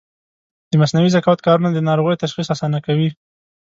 د مصنوعي ذکاوت کارونه د ناروغیو تشخیص اسانه کوي.